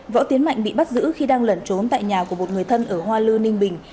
võ tiến mạnh bị bắt giữ khi đang lẩn trốn tại nhà của một người thân ở hoa lư ninh bình